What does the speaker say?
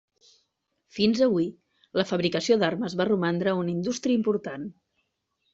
Fins avui, la fabricació d'armes va romandre una indústria important.